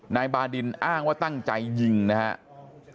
นายบาดินอ้างว่าตั้งใจยิงนะครับ